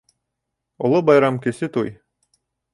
Оло байрам, кесе туй.